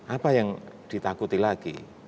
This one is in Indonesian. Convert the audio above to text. apa yang ditakuti lagi